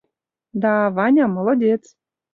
Да, Ваня — молодец.